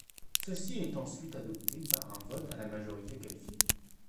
Celle-ci est ensuite adoptée par un vote à la majorité qualifiée.